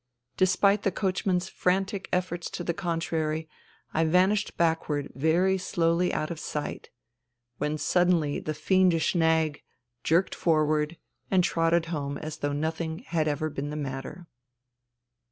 Despite the coachman's frantic efforts to the contrary, I vanished backward very slowly out of sight — when suddenly the fiendish nag jerked forward and trotted home as though nothing had ever been the matter.